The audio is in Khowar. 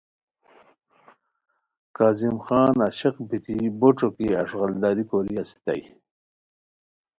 کاظم خان عاشق بیتی بو ݯوکی اݱغال داری کوری اسیتائے